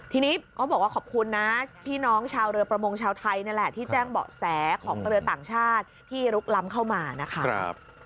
ทีนี้เขาบอกว่าขอบคุณนะพี่น้องชาวเรือประมงชาวไทยนี่แหละที่แจ้งเบาะแสของเรือต่างชาติที่ลุกล้ำเข้ามานะคะ